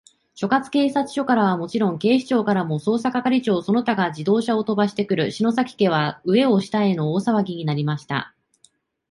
所轄警察署からはもちろん、警視庁からも、捜査係長その他が自動車をとばしてくる、篠崎家は、上を下への大さわぎになりました。